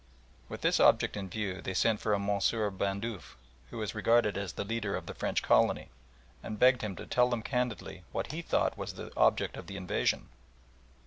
With this object in view they sent for a Monsieur Bandeuf, who was regarded as the leader of the French colony, and begged him to tell them candidly what he thought was the object of the invasion.